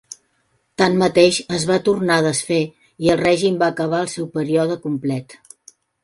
Tanmateix, es van tornar a desfer i el règim va acabar el seu període complet.